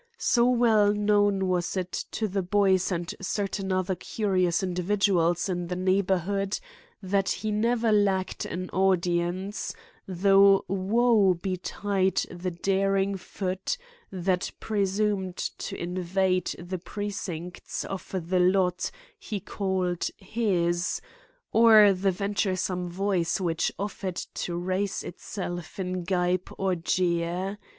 So well known was it to the boys and certain other curious individuals in the neighborhood that he never lacked an audience, though woe betide the daring foot that presumed to invade the precincts of the lot he called his, or the venturesome voice which offered to raise itself in gibe or jeer.